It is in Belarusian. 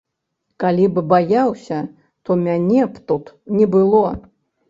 Калі б баяўся, то мяне б тут не было.